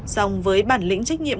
xong với bản lĩnh trách nhiệm